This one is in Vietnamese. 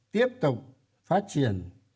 tiếp tục phát triển